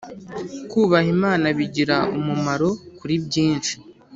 Kubaha imana bigira umumaro kuri byinshi